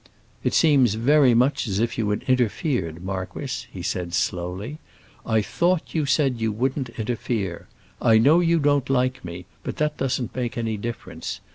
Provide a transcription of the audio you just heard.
"It seems very much as if you had interfered, marquis," he said slowly. "I thought you said you wouldn't interfere. I know you don't like me; but that doesn't make any difference.